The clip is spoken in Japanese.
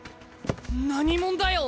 何者だよ？